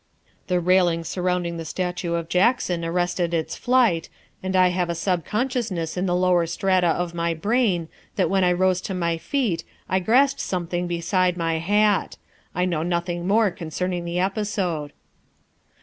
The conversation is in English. The railing surrounding the statue of Jackson arrested its flight, and I have a sub consciousness in the lower strata of my brain that when I rose to my feet I grasped something beside my hat. I know nothing more concerning the episode.